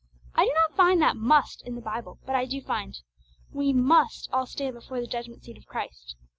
I do not find that must in the Bible, but I do find, 'We must all stand before the judgment seat of Christ.'